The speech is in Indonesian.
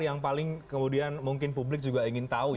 yang paling kemudian mungkin publik juga ingin tahu